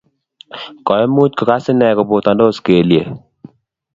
Koimuch kogas inee kopotandos kelyiek